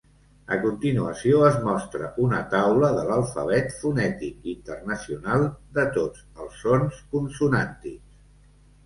A continuació es mostra una taula de l'Alfabet fonètic internacional de tots els sons consonàntics.